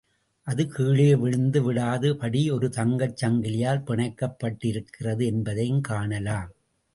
அது, கீழே விழுந்து விடாத படி ஒரு தங்கச் சங்கிலியால் பிணைக்கப் பட்டிருக்கிறது என்பதையும் காணலாம்.